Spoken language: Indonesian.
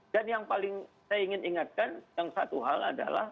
dan yang paling saya ingin ingatkan yang satu hal adalah